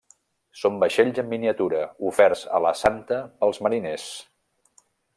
Són vaixells en miniatura, oferts a la Santa pels mariners.